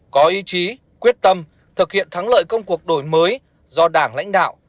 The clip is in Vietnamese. có ý chí quyết tâm thực hiện thắng lợi công cuộc đổi mới do đảng lãnh đạo